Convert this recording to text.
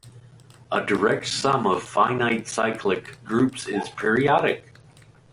A direct sum of finite cyclic groups is periodic.